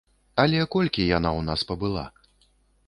Але колькі яна ў нас пабыла?